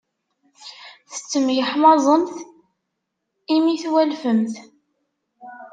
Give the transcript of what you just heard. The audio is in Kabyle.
Tettemyeḥmaẓemt imi twalfemt.